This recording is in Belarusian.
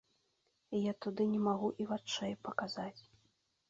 Я туды не магу і вачэй паказаць.